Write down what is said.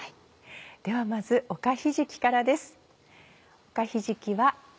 ではまずおかひじきからです。